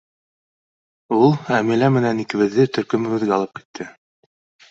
Ул Әмилә менән икебеҙҙе төркөмөбөҙгә алып китте.